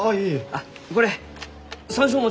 あっこれ山椒餅。